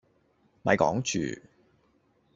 咪講住